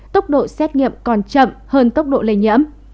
tốc độ xét nghiệm còn chậm hơn tốc độ lây nhiễm